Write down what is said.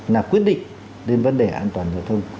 là quyết định đến vấn đề an toàn giao thông